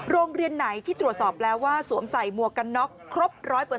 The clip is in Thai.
โรงเรียนไหนที่ตรวจสอบแล้วว่าสวมใส่หมวกกันน็อกครบ๑๐๐